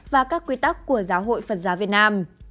và các quy tắc của giáo hội phật giáo việt nam